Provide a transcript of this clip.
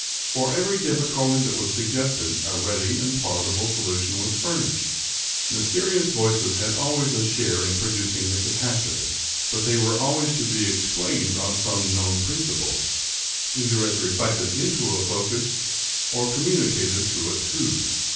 For every difficulty that was suggested a ready and plausible solution was furnished. I^.Iysterious voices had always a share in producing the catastrophe ; but they were always to be explained on some known principles, either as reflected into a focus or communicated through a tube.